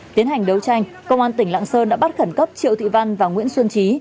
tiến hành đấu tranh công an tỉnh lạng sơn đã bắt khẩn cấp triệu thị văn và nguyễn xuân trí